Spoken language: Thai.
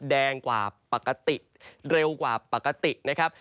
แดงกว่าปกติเร็วกว่าปกตินะครับ